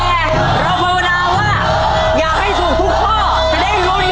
แต่เราโปรนาว่าอย่าให้ถูกทุกข้อ